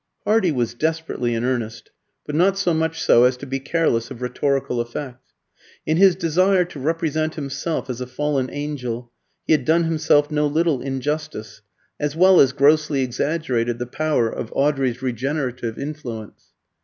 Hardy was desperately in earnest, but not so much so as to be careless of rhetorical effect. In his desire to represent himself as a fallen angel he had done himself no little injustice, as well as grossly exaggerated the power of Audrey's regenerative influence.